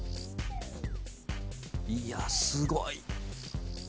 いやすごい。